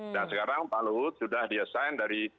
dan sekarang pak luhut sudah di assign dari